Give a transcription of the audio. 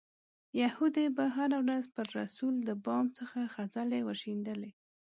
یهودي به هره ورځ پر رسول د بام څخه خځلې ورشیندلې.